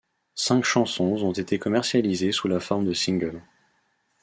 Cinq chansons ont été commercialisées sous la forme de singles.